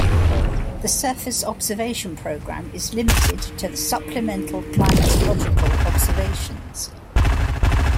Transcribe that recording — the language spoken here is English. The surface observation program is limited to the supplemental climatological observations.